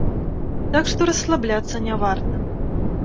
Так што расслабляцца не варта.